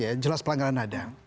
ya jelas pelanggaran ada